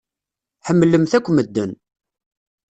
Ḥemmlemt akk medden.